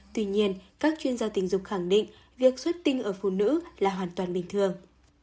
tuy nhiên các chuyên gia tình dục khẳng định việc xuất tinh ở phụ nữ là hoàn toàn bình thường